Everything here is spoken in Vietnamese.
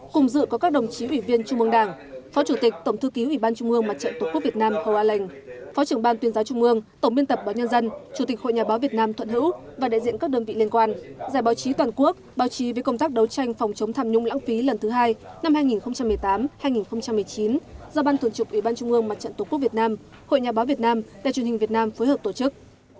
bí thư trung mương đảng chủ tịch ủy ban trung mương mặt trận tổ quốc việt nam hồ á lệnh phó trưởng ban tuyên giáo trung mương tổng biên tập báo nhân dân chủ tịch hội nhà báo việt nam thuận hữu và đại diện các đơn vị liên quan giải báo chí toàn quốc báo chí về công tác đấu tranh phòng chống tham nhung lãng phí lần thứ hai năm hai nghìn một mươi tám hai nghìn một mươi chín do ban thường trục ủy ban trung mương mặt trận tổ quốc việt nam hội nhà báo việt nam đài truyền hình việt nam phối hợp tổ chức